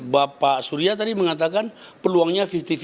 bapak surya tadi mengatakan peluangnya lima puluh lima